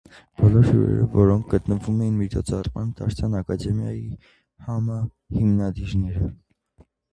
Բոլոր հյուրերը, որոնք գտնվում էին միջոցառմանը, դարձան ակադեմիայի համահիմնադիրները։